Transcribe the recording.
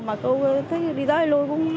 mà cô thấy đi tới luôn